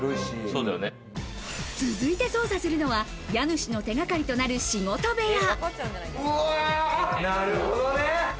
続いて捜査するのは家主の手がかりとなる仕事部屋。